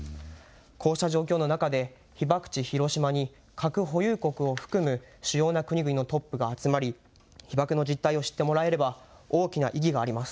こうした状況の中で被爆地、広島に核保有国を含む主要な国々のトップが集まり被爆の実態を知ってもらえば大きな意義があります。